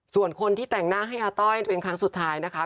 ส่วนคนที่แต่งหน้าให้อาต้อยเป็นครั้งสุดท้ายนะคะ